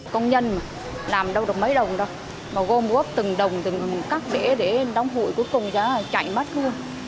công nhân làm đâu được mấy đồng đâu mà gom góp từng đồng từng cắt để đóng hụi cuối cùng chạy mất luôn